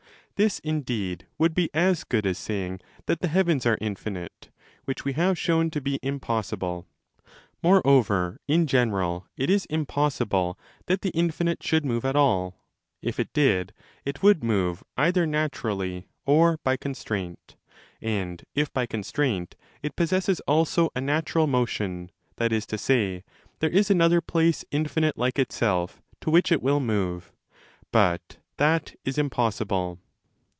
This, indeed, would be as good as saying that the heavens are infinite, which we have shown to be impossible. , Moreover, in general, it is impossible that the infinite 30 should move at all. If it did, it would move either natur ally or by constraint: and if by constraint, it possesses also a natural motion, that is to say, there is another place, infinite like itself, to which it will move. But that is impossible.?